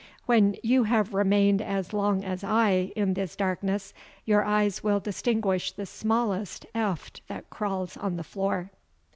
When you have remained as long as I in this darkness, your eyes will distinguish the smallest eft that crawls on the floor."